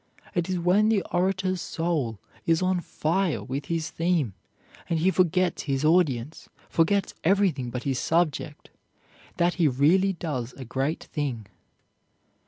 It is when the orator's soul is on fire with his theme, and he forgets his audience, forgets everything but his subject, that he really does a great thing.